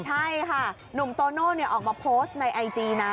ใช่ค่ะหนุ่มโตโน่ออกมาโพสต์ในไอจีนะ